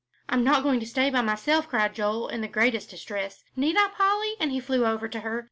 "I'm not going to stay by myself," cried Joel, in the greatest distress, "need I, Polly?" and he flew over to her.